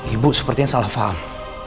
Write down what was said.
ibu sepertinya salah faham